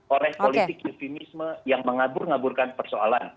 oleh politik yufinisme yang mengabur ngaburkan persoalan